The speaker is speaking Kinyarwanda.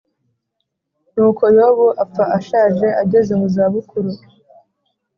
nuko yobu apfa ashaje ageze mu zabukuru